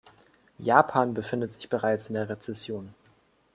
Japan befindet sich bereits in der Rezession.